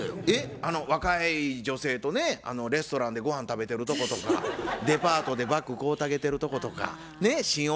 えっ若い女性とねレストランで御飯食べてるとことかデパートでバッグ買うてあげてるとことか新